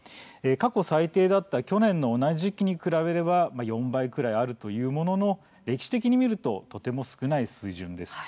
過去最低だった去年の同じ時期に比べれば４倍くらいあるというものも、歴史的に見るととても少ない水準です。